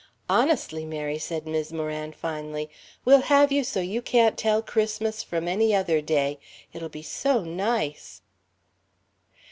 "Honestly, Mary," said Mis' Moran, finally, "we'll have you so you can't tell Christmas from any other day it'll be so nice!"